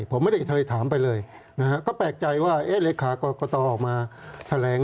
ผมไม่ได้ถามไปเลยนะครับก็แปลกใจว่าเลขากตออกมาแถลง